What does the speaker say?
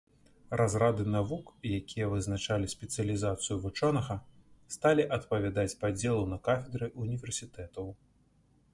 Разрады навук, якія вызначалі спецыялізацыю вучонага, сталі адпавядаць падзелу на кафедры ўніверсітэтаў.